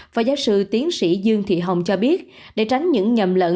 phó giáo sư tiến sĩ dương thị hồng cho biết để tránh những nhầm lẫn